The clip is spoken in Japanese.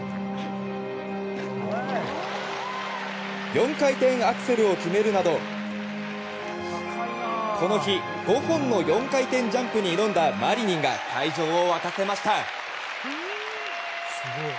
４回転アクセルを決めるなどこの日、５本の４回転ジャンプに挑んだマリニンが会場を沸かせました。